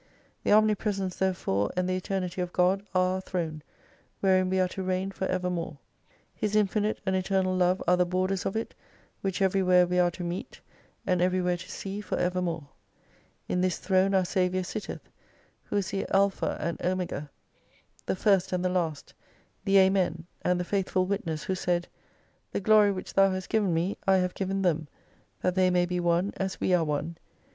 The Omnipresence there fore, and the Eternity of God are our Throne, wherein we are to reign for evermore. His infinite and eternal Love are the borders of it, which everywhere we are to meet, and everywhere to see for evermore. In this Throne our Saviour sitteth, who is the Alpha and 292 Omega, the first and the last, the Ainen^ and the faith ful witness who said, The Glory which Thou hast given me, I have given them, that they may be one, as we are one.